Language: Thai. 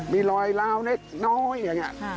มีรอยล้าวเล็กน้อยอย่างนี้